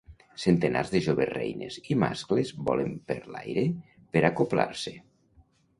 Centenars de joves reines i mascles volen per l'aire per acoblar-se.